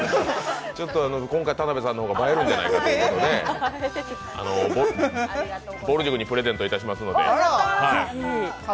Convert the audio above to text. ちょっと今回田辺さんの方が映えるんじゃないかということで、ぼる塾にプレゼントいたしますので。